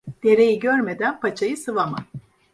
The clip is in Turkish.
Dereyi görmeden paçayı sıvama.